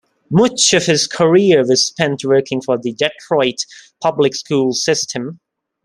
Much of his career was spent working for the Detroit public schools system.